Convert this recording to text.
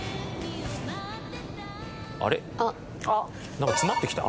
なんか詰まってきた？